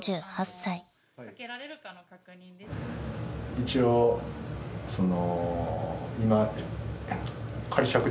一応その。